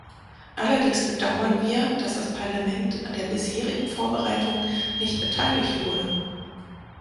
Allerdings bedauern wir, dass das Parlament an der bisherigen Vorbereitung nicht beteiligt wurde.